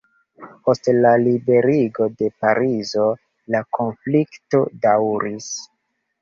Post la liberigo de Parizo, la konflikto daŭris.